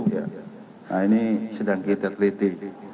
nah ini sedang kita teliti